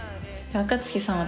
若槻さん